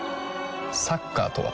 サッカーとは？